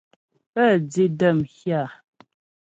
Pə́ di də́ m hyâ.